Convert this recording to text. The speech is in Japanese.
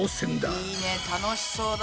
いいね楽しそうだ！